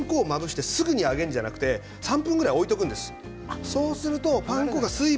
パン粉をまぶしてすぐに揚げるのではなく３分ぐらい置いておくんです。